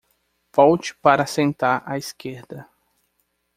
Volte para sentar à esquerda